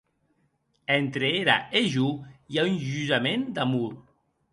Entre era e jo i a un jurament d’amor!